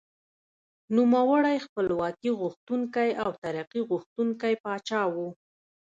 نوموړی خپلواکي غوښتونکی او ترقي خوښوونکی پاچا و.